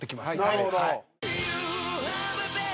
なるほど。